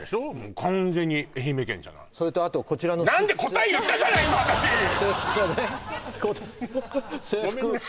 それとあとこちらの制服はね